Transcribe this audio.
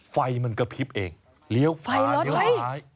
ไฟมันกระพริบเองเหลียวปลาย